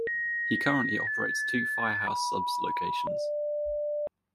He currently operates two Firehouse Subs locations.